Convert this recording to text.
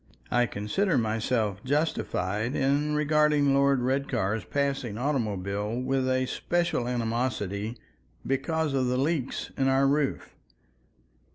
... I consider myself justified in regarding Lord Redcar's passing automobile with a special animosity because of the leaks in our roof.